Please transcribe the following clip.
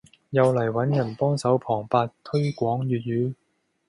又嚟揾人幫手旁白推廣粵語